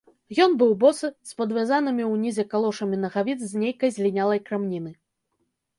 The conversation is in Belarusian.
Ён быў босы, з падвязанымі ўнізе калошамі нагавіц з нейкай злінялай крамніны.